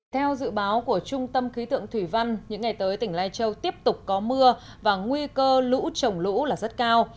theo dự báo của trung tâm khí tượng thủy văn những ngày tới tỉnh lai châu tiếp tục có mưa và nguy cơ lũ trồng lũ là rất cao